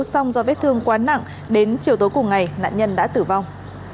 xong do vết thương quá nặng đến chiều tối cùng ngày nạn nhân đã tử vong